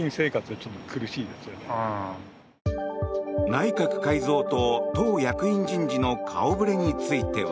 内閣改造と、党役員人事の顔触れについては。